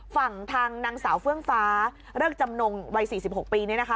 ฝั่งทางนางสาวเฟื่องฟ้าเริกจำนงวัย๔๖ปีเนี่ยนะคะ